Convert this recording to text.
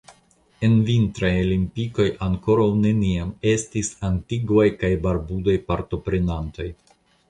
En vintraj olimpikoj ankoraŭ neniam estis antigvaj kaj barbudaj partoprenantoj.